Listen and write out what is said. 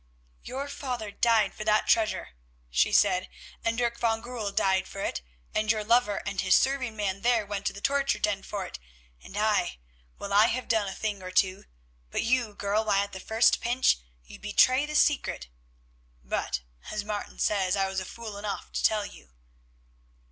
"Your father died for that treasure," she said, "and Dirk van Goorl died for it, and your lover and his serving man there went to the torture den for it, and I—well, I have done a thing or two. But you, girl, why, at the first pinch, you betray the secret. But, as Martin says, I was fool enough to tell you."